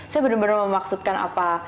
saya bener bener memaksudkan apa